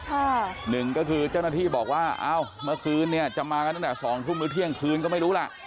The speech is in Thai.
หนึ่งก็คือเจ้าหน้าที่บอกว่าเอ้าเมื่อคืนเนี่ยจะมากันตั้งแต่สองทุ่มหรือเที่ยงคืนก็ไม่รู้ล่ะ